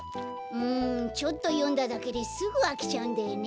うんちょっとよんだだけですぐあきちゃうんだよね。